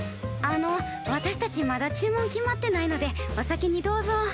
あの私たちまだ注文決まってないのでお先にどうぞ。